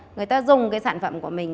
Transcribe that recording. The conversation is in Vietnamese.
người ta dùng cái sản phẩm của mình